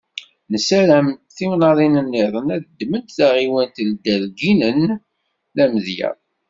Nessaram timnaḍin-nniḍen ad ddment taɣiwant n Iderginen d amedya.